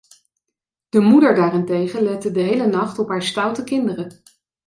De moeder daarentegen lette de hele nacht op haar stoute kinderen.